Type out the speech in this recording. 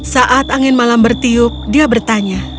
saat angin malam bertiup dia bertanya